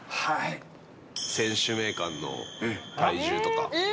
選手名鑑の体重とか。